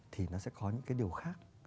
thì nó sẽ có những cái điều khác